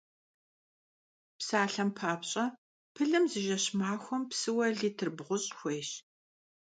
Psalhem papş'e, pılım zı jjeş - maxuem psıue litr bğuş' xuêyş.